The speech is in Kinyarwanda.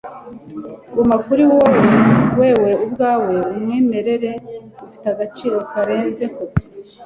guma kuri wewe ubwawe umwimerere ufite agaciro karenze kopi